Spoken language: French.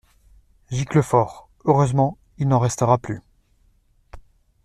Giclefort. — Heureusement ; il n’en resterait plus !